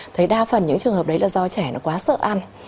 thấy đa phần những trường hợp đấy là do trẻ nó quá sợ ăn